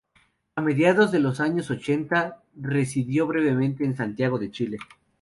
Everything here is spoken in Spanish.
A mediados de los años ochenta residió brevemente en Santiago de Chile.